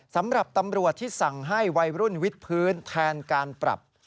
สำหรับตำรวจที่สั่งให้วัยรุ่นวิทย์พื้นแทนการปรับ